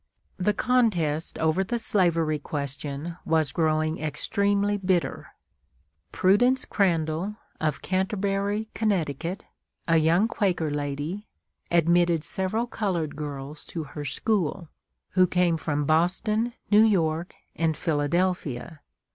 The contest over the slavery question was growing extremely bitter. Prudence Crandall of Canterbury, Conn., a young Quaker lady, admitted several colored girls to her school, who came from Boston, New York, and Philadelphia.